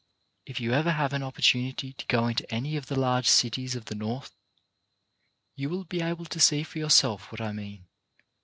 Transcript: If you ever have an opportunity to go into any of the large cities of the North you will be able to see for yourselves what I mean.